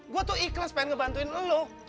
gue tuh ikhlas pengen ngebantuin lu